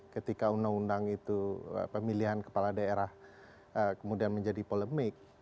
ketika undang undang itu pemilihan kepala daerah kemudian menjadi polemik